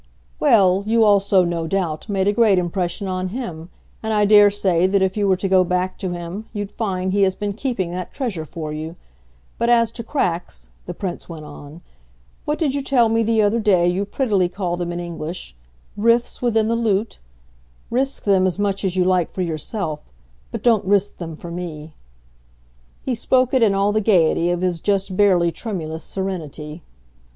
"Well, you also, no doubt, made a great impression on him, and I dare say that if you were to go back to him you'd find he has been keeping that treasure for you. But as to cracks," the Prince went on "what did you tell me the other day you prettily call them in English? 'rifts within the lute'? risk them as much as you like for yourself, but don't risk them for me." He spoke it in all the gaiety of his just barely tremulous serenity.